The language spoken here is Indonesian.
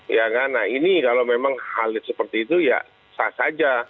ya kan nah ini kalau memang hal seperti itu ya sah saja